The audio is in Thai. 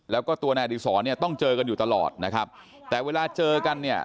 แล้วก็ตัวนายอดีศรเนี่ยต้องเจอกันอยู่ตลอดนะครับแต่เวลาเจอกันเนี่ย